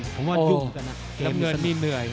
อ๋อวเหมือนเงินมิ่นเหนื่อย